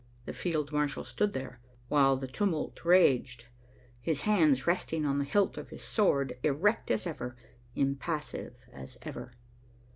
The field marshal stood there, while the tumult raged, his hands resting on the hilt of his sword, erect as ever, impassive as ever.